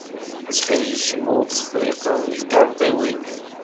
Ttxil-k ma ur-tefriqeḍ tikarḍiwin.